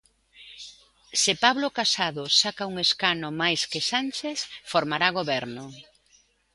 Se Pablo Casado saca un escano máis que Sánchez, formará goberno.